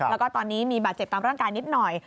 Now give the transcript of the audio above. แล้วก็ตอนนี้มีบาดเจ็บตามร่างกายนิดหน่อย